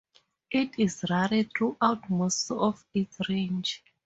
It is rare throughout most of its range.